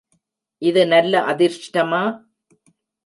இது நல்ல அதிர்ஷ்டமா?